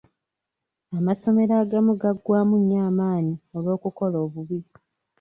Amasomero agamu gaggwamu nnyo amaanyi olw'okukola obubi.